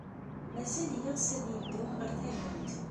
Mazal yeɣs ad yeddu ɣer tallunt?